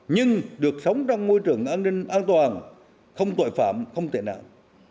nhưng được sống trong môi trường an ninh an toàn không tội phạm không tệ nạn